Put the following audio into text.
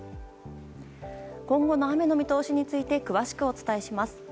今後の雨の見通しについて詳しくお伝えします。